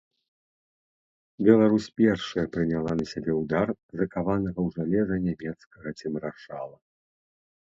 Беларусь першая прыняла на сябе ўдар закаванага ў жалеза нямецкага цемрашала.